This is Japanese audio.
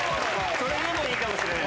それでもいいかもしれない。